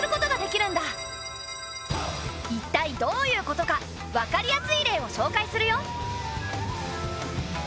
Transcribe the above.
一体どういうことか分かりやすい例を紹介するよ。